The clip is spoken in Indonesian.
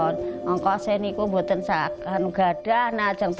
saya membuatkan semarang